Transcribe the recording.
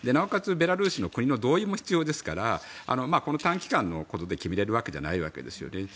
ベラルーシの国の同意も必要ですからこの短期間のことで決められるわけじゃないわけですよね。